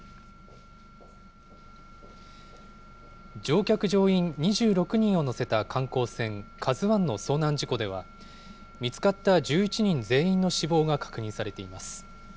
乗客・乗員２６人を乗せた観光船、ＫＡＺＵＩの遭難事故では、見つかった１１人全員の死亡が確認されています。